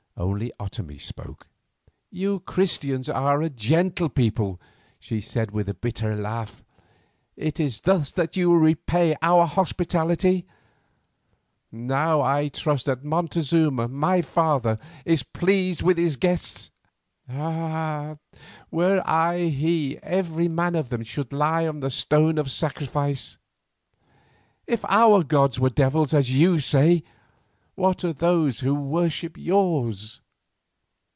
Only Otomie spoke: "You Christians are a gentle people," she said with a bitter laugh; "it is thus that you repay our hospitality. Now I trust that Montezuma, my father, is pleased with his guests. Ah! were I he, every man of them should lie on the stone of sacrifice. If our gods are devils as you say, what are those who worship yours?"